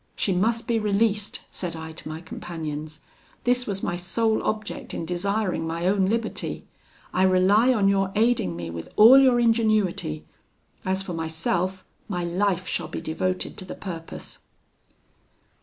'She must be released,' said I to my companions: 'this was my sole object in desiring my own liberty. I rely on your aiding me with all your ingenuity; as for myself, my life shall be devoted to the purpose.'